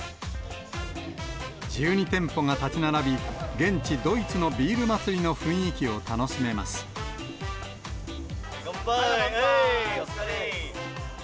１２店舗が立ち並び、現地ドイツのビール祭りの雰囲気を楽しめま乾杯。